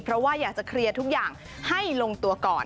เพราะว่าอยากจะเคลียร์ทุกอย่างให้ลงตัวก่อน